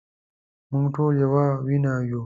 مونږ ټول يوه وينه يو